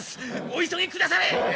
お急ぎくだされ！